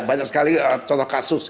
banyak sekali contoh kasus